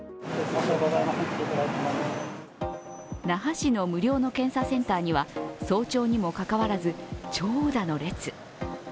那覇市の無料の検査センターには早朝にもかかわらず長蛇の列。